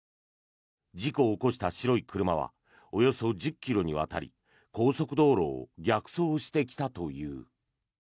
事故を起こした白い車はおよそ１０ｋｍにわたり高速道路を逆走してきたという。